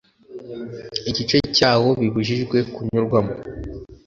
igice cyawo bibujijwe kunyurwamo